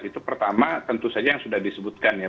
itu pertama tentu saja yang sudah disebutkan ya